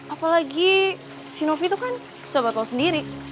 apalagi si novi tuh kan sobat lo sendiri